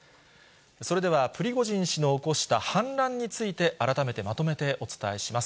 それでは、プリゴジン氏の起こした反乱について、改めてまとめてお伝えします。